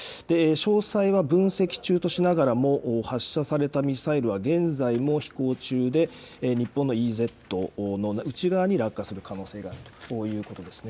詳細は分析中としながらも発射されたミサイルは現在も飛行中で日本のＥＥＺの内側に落下する可能性があるということです。